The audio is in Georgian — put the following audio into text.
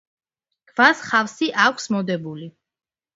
ქვას ხავსი აქვს მოდებული.